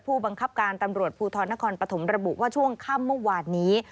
ผู้บังคับการตำรวจภูทรนครปฐมระบุว่าช่วงค่ำเมื่อวานนี้